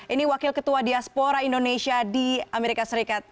ini wakil ketua diaspora indonesia di amerika serikat